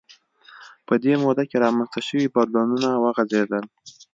په دې موده کې رامنځته شوي بدلونونه وغځېدل